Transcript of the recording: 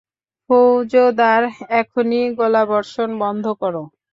ফৌজদার, এখনই গোলাবর্ষণ বন্ধ করো।